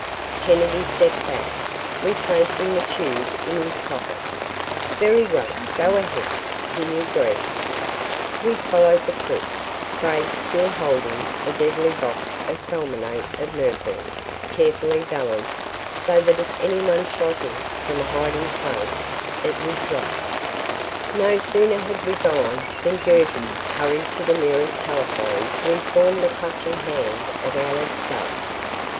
Kennedy stepped back, replacing the tube in his pocket. "Very well, go ahead!" he agreed. We followed the crook, Craig still holding the deadly box of fulminate of mercury carefully balanced so that if anyone shot him from a hiding place it would drop. ........ No sooner had we gone than Gertie hurried to the nearest telephone to inform the Clutching Hand of our escape.